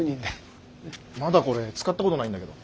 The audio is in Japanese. まだこれ使ったことないんだけど。